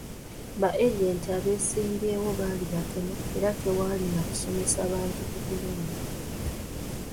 Baagenti b’abeesimbyewo bali batono era tewaali na kusomesa bantu ku kulonda.